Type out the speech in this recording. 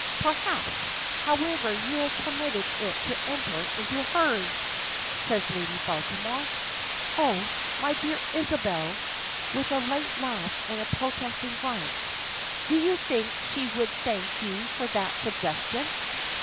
"Perhaps, however, you have permitted it to enter into hers!" says Lady Baltimore. "Oh, my dear Isabel!" with a light laugh and a protesting glance. "Do you think she would thank you for that suggestion?"